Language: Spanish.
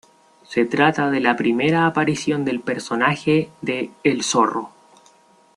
Se trata de la primera aparición del personaje de El Zorro.